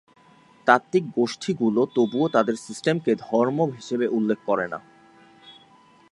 তাত্ত্বিক গোষ্ঠীগুলি তবুও তাদের সিস্টেমকে "ধর্ম" হিসাবে উল্লেখ করে না।